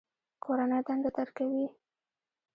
کورنۍ دنده درکوي؟